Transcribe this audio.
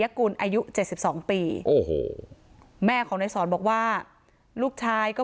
กุลอายุเจ็ดสิบสองปีโอ้โหแม่ของนายสอนบอกว่าลูกชายก็